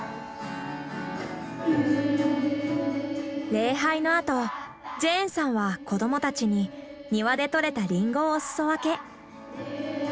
礼拝のあとジェーンさんは子どもたちに庭で採れたリンゴをお裾分け。